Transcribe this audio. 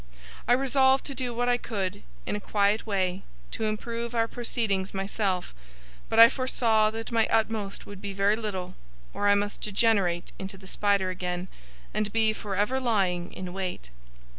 I resolved to do what I could, in a quiet way, to improve our proceedings myself, but I foresaw that my utmost would be very little, or I must degenerate into the spider again, and be for ever lying in wait.